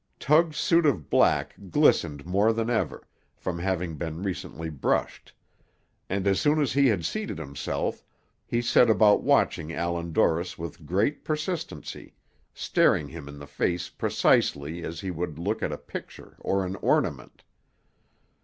Tug's suit of black glistened more than ever, from having been recently brushed; and as soon as he had seated himself, he set about watching Allan Dorris with great persistency, staring him in the face precisely as he would look at a picture or an ornament.